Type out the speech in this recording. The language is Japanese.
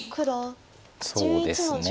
そうですね。